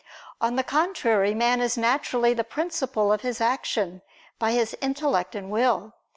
On the contrary, Man is naturally the principle of his action, by his intellect and will.